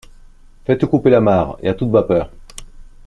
Faites couper l’amarre, et à toute vapeur.